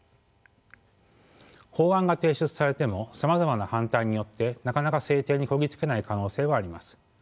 法案が提出されてもさまざまな反対によってなかなか制定にこぎ着けない可能性はあります。